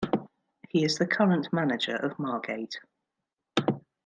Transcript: He is the current manager of Margate.